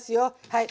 はい。